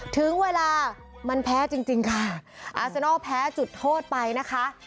ถึงเวลามันแพ้จริงจริงค่ะอาซานอลแพ้จุดโทษไปนะคะ